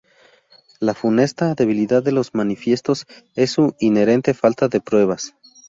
La funesta debilidad de los manifiestos es su inherente falta de pruebas.